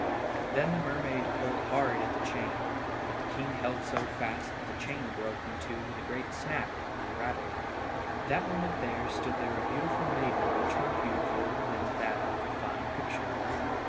Then the mermaid pulled hard at the chain, but the king held so fast that the chain broke in two with a great snap and rattling. That moment there stood there a beautiful maiden much more beautiful than that in the fine picture.